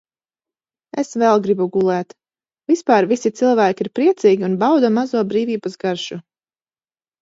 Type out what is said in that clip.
Es vēl gribu gulēt. Vispār visi cilvēki ir priecīgi un bauda mazo brīvības garšu.